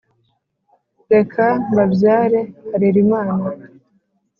reka mbabyare harerimana,